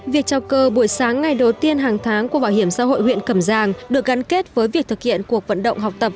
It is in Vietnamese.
việc trao cơ buổi sáng ngày đầu tiên hàng tháng của bảo hiểm xã hội huyện cầm giang được gắn kết với việc thực hiện cuộc vận động học tập